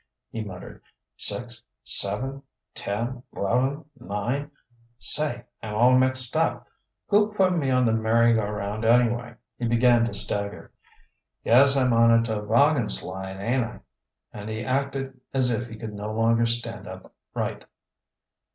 he muttered. "Six, seven, ten, 'leven, nine! Say, I'm all mixed up. Who put me on the merry go 'round anyway?" He began to stagger. "Guess I'm on a toboggan slide, ain't I?" and he acted as if he could no longer stand up right.